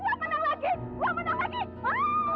keren kalau saya tahu soal itu